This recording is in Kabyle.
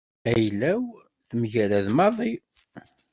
Ayla-w temgarad maḍi.